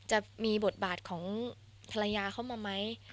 จะมีบทบาทของภรรยาเขามาไหม